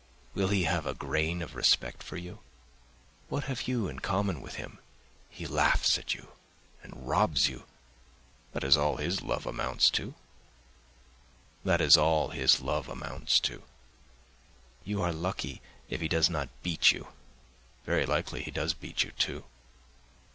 Will he have a grain of respect for you? What have you in common with him? He laughs at you and robs you—that is all his love amounts to! You are lucky if he does not beat you. Very likely he does beat you, too.